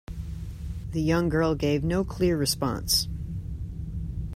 The young girl gave no clear response.